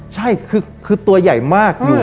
ใช่คือตัวใหญ่มากอยู่